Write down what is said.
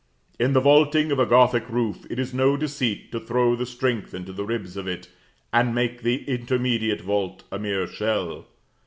In the vaulting of a Gothic roof it is no deceit to throw the strength into the ribs of it, and make the intermediate vault a mere shell.